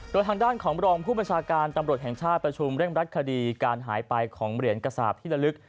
โดยทางด้านของรองผู้บัญชาการตำรวจแห่งชาติประชุมเร่งรัดคดีการหายไปของเหรียญกระสาปที่ละลึก